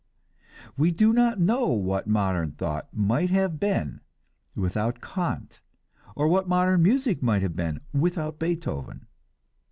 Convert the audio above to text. We do not know what modern thought might have been without Kant, or what modern music might have been without Beethoven.